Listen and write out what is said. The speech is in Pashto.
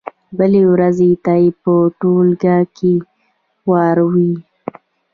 بلې ورځې ته یې په ټولګي کې واورئ.